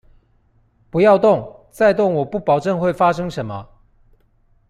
不要動，再動我不保證會發生什麼